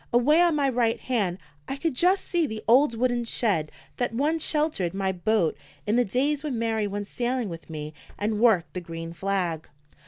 Away on my right hand I could just see the old wooden shed that once sheltered my boat in the days when Mary went sailing with me and worked the green flag.